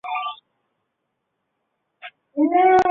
尼泊尔垂头菊为菊科垂头菊属的植物。